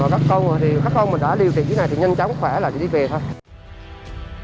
mong nhanh sớm kiểm soát được dịch bệnh và các con mình đã điều trị thế này thì nhanh chóng khỏe là đi về thôi